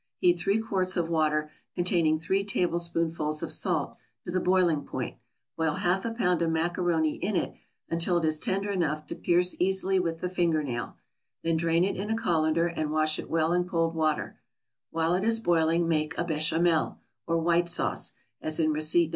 = Heat three quarts of water, containing three tablespoonfuls of salt, to the boiling point; boil half a pound of macaroni in it until it is tender enough to pierce easily with the finger nail; then drain it in a colander, and wash it well in cold water; while it is boiling make a Béchamel, or white sauce, as in receipt No.